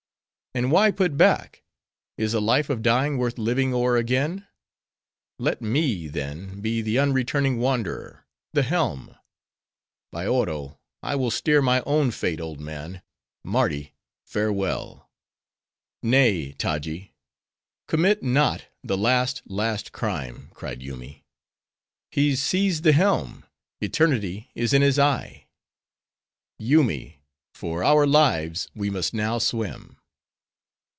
"And why put back? is a life of dying worth living o'er again?—Let me, then, be the unreturning wanderer. The helm! By Oro, I will steer my own fate, old man.—Mardi, farewell!" "Nay, Taji: commit not the last, last crime!" cried Yoomy. "He's seized the helm! eternity is in his eye! Yoomy: for our lives we must now swim."